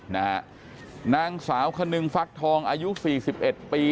นางสาวคนนึงฟักทองอายุ๔๑ปี